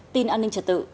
tin an ninh trật tự